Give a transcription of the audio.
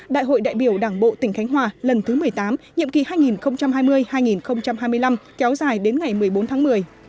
đại hội đại biểu đảng bộ tỉnh khánh hòa lần thứ một mươi tám nhiệm kỳ hai nghìn hai mươi hai nghìn hai mươi năm kéo dài đến ngày một mươi bốn tháng một mươi